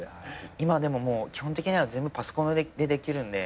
今でももう基本的には全部パソコンでできるんで。